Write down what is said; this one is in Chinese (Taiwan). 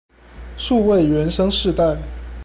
數位原生世代